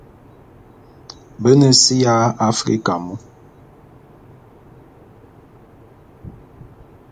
Be ne si ya Africa mu.